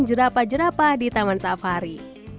jerapah jerapa di taman safari